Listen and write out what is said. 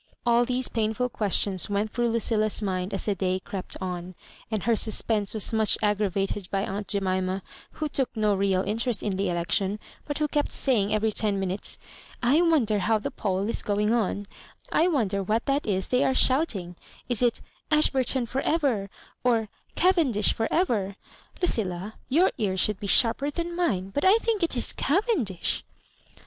All these painful questions went through Lu cilla's mind as the day cropt on; and her sus pense was much aggravated by aunt Jemima, who took no real interest in< the election, but who kept saying every ten minutes—^* I wonder how the poll is going on — ^I wonder what that is they are shouting' ^ it 'Ashburton for ever I* or * Cavendish for ever!* Lucilla? Tour ears should be sharper than mine ; but I think it is Cavendish!"